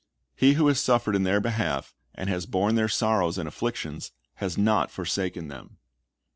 He who has suffered in their behalf, and has borne their sorrows and afflictions, has not forsaken them.